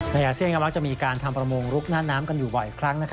อาเซียนก็มักจะมีการทำประมงลุกหน้าน้ำกันอยู่บ่อยครั้ง